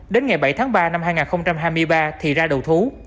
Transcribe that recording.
đến ngày bảy tháng ba năm hai nghìn hai mươi ba thì ra đầu thú